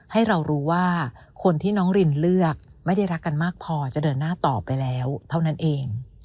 ให้เรารู้ว่าคนที่น้องรินเลือกไม่ได้รักกันมากพอจะเดินหน้าต่อไปแล้วเท่านั้นเอง